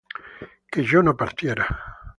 que yo no partiera